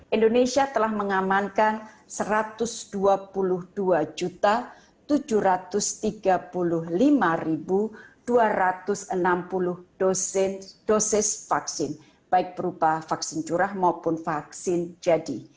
indonesia telah mengamankan satu ratus dua puluh dua tujuh ratus tiga puluh lima dua ratus enam puluh dosis vaksin baik berupa vaksin curah maupun vaksin jadi